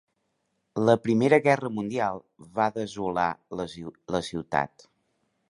La Primera Guerra Mundial va desolar la ciutat.